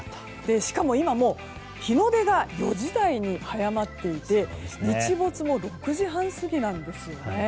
しかも今、もう日の出が４時台に早まっていて日没も６時半過ぎなんですよね。